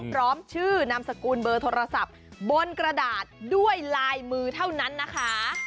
พร้อมชื่อนามสกุลเบอร์โทรศัพท์บนกระดาษด้วยลายมือเท่านั้นนะคะ